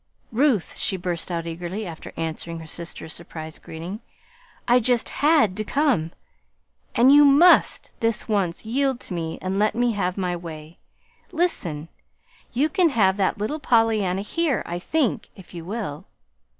"Ruth," she burst out eagerly, after answering her sister's surprised greeting, "I just HAD to come, and you must, this once, yield to me and let me have my way. Listen! You can have that little Pollyanna here, I think, if you will."